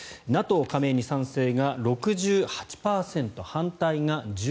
ＮＡＴＯ加盟に賛成が６８％反対が１２％。